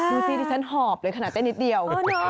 ดูสิที่ฉันหอบเลยขนาดเต้นนิดเดียว